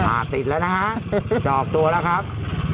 ติดแล้วนะฮะจะออกตัวแล้วครับ